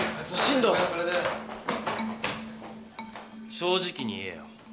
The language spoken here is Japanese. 正直に言えよ。